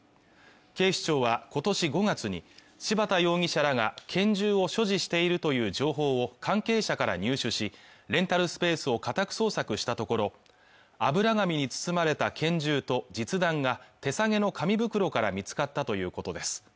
警視庁は今年５月に柴田容疑者らが拳銃を所持しているという情報を関係者から入手しレンタルスペースを家宅捜索したところ油紙に包まれた拳銃と実弾が手提げの紙袋から見つかったということです